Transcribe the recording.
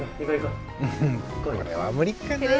これは無理かな。